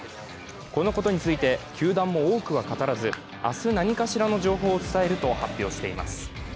このことについて球団も多くは語らず、明日、何かしらの情報を伝えると発表しています。